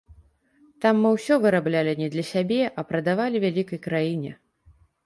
Там мы ўсё выраблялі не для сябе, а прадавалі вялікай краіне.